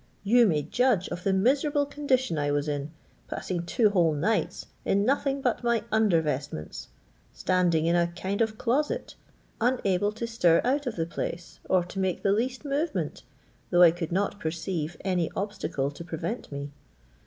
You may judge of the miserable condition I was in, passing two whole nights in nothing but my under vestments, standing in a kind of closet, unable to stir out of the place or to make the least movement, though I could not perceive any obstacle to prevent me.